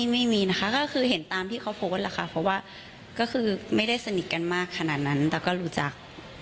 ไม่มีนะคะก็คือเห็นตามที่เขาโพสต์ล่ะค่ะเพราะว่าก็คือไม่ได้สนิทกันมากขนาดนั้นแต่ก็รู้จัก